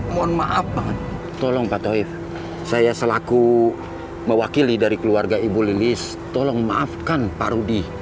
mohon maaf tolong pak taufik saya selaku mewakili dari keluarga ibu lilis tolong maafkan pak rudy